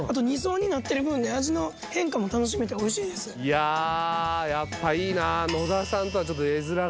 いややっぱいいな